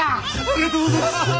ありがとうございます！